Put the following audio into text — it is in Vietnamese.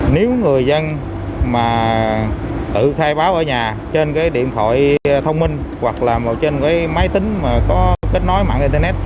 nếu người dân mà tự khai báo ở nhà trên cái điện thoại thông minh hoặc là trên cái máy tính mà có kết nối mạng internet